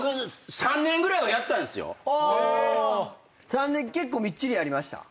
３年結構みっちりやりました？